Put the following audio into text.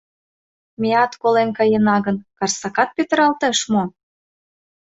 Меат колен каена гын, Карсакат петыралтеш мо?